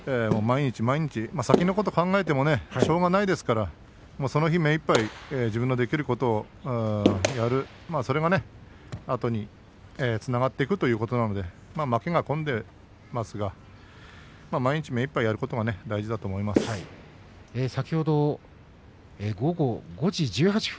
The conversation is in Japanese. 先のことを考えてもしょうがないですからその日目いっぱい自分のできることをやる、それが後につながってくるということなので、負けが込んでいますが毎日、目いっぱいやることが大事だと思います。